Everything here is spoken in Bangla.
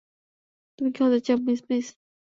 তুমি কী হতে চাও, মিচ-মিচ?